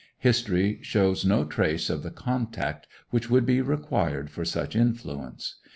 History shows no trace of the contact which would be required for such influence.